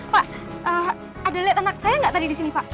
pak ada lihat anak saya gak tadi disini pak